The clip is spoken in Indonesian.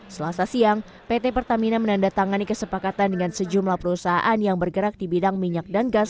selasa siang pt pertamina menandatangani kesepakatan dengan sejumlah perusahaan yang bergerak di bidang minyak dan gas